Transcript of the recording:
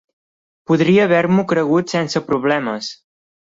Podria haver-m'ho cregut sense problemes!